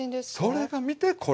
それが見てこれ。